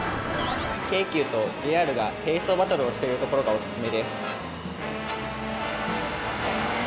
京急とＪＲが並走バトルしているところがおすすめです！